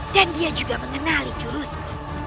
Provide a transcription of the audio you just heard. dia juga mengenali jurusku